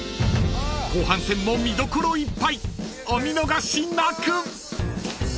［後半戦も見どころいっぱいお見逃しなく！］